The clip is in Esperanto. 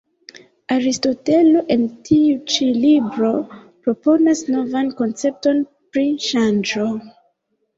Aristotelo en tiu ĉi libro proponas novan koncepton pri ŝanĝo.